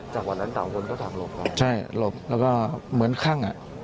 จากวันนั้นต่างคนก็ต่างหลบครับใช่หลบแล้วก็เหมือนคั่งอ่ะ